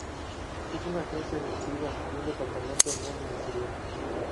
Es una agencia ejecutiva y un departamento no ministerial.